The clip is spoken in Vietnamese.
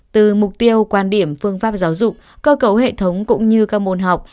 từ mục tiêu quan điểm phương pháp giáo dục cơ cấu hệ thống cũng như các môn học